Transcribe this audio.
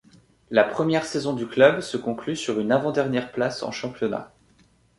La première saison du club se conclut sur une avant-dernière place en championnat.